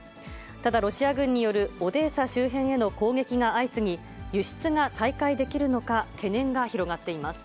ただ、ロシア軍によるオデーサ周辺への攻撃が相次ぎ、輸出が再開できるのか、懸念が広がっています。